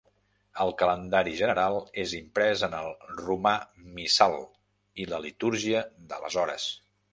El Calendari General és imprès en el Romà Missal i la Litúrgia de les hores.